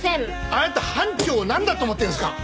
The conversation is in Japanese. あなた班長をなんだと思ってるんですか？